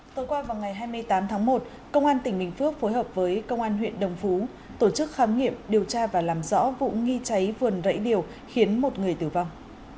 tối qua vào ngày hai mươi tám tháng một công an tỉnh bình phước phối hợp với công an huyện đồng phú tổ chức khám nghiệm điều tra và làm rõ vụ nghi cháy vườn rẫy điều khiến một người tử vong